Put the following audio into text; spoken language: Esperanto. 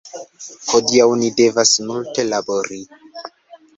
Hodiaŭ ni devas multe labori